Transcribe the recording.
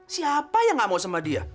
siapa yang gak mau sama dia